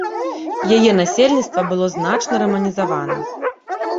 Яе насельніцтва было значна раманізавана.